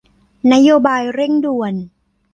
นโยบายเร่งด่วน